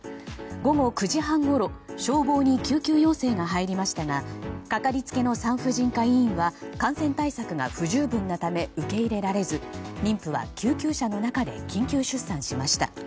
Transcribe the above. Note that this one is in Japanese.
午後９時半ごろ消防に救急要請が入りましたがかかりつけの産婦人科医院は感染対策が不十分なため受け入れられず、妊婦は救急車の中で緊急出産しました。